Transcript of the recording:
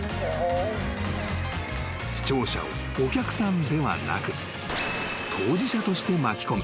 ［視聴者をお客さんではなく当事者として巻き込む］